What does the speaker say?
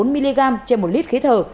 bốn mg trên một lít khí thở